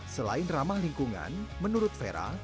selain ramah lingkungan menurut vera